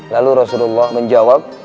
lalu rasulullah menjawab